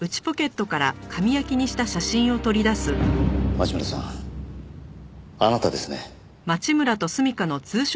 町村さんあなたですね。